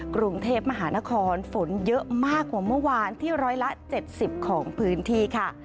กรุงเทพมหานครฝนเยอะมากกว่าเมื่อวานที่ร้อยละ๗๐ของพื้นที่ค่ะ